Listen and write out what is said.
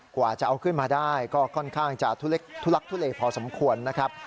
กว่าจะเอาขึ้นมาได้ก็ค่อนข้างจะทุลักทุเลพอสมควรนะครับ